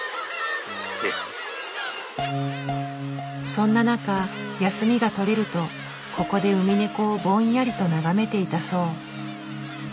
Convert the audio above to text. そんな中休みが取れるとここでウミネコをぼんやりと眺めていたそう。